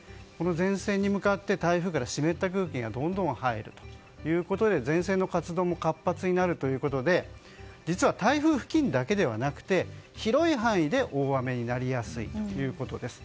前線に向かって台風から湿った空気がどんどん入ることで前線の活動も活発になるということで実は台風付近だけじゃなくて広い範囲で大雨になりやすいということです。